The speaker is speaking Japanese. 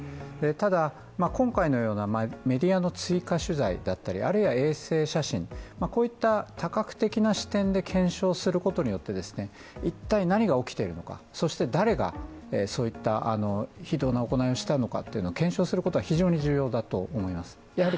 ただ、今回のようなメディアの追加取材だったり、あるいは衛星写真、こういった多角的な視点で検証することによって、一体何が起きているのか、そして誰が、そういった非道な行いをしたのか検証することが非常に重要だと思います。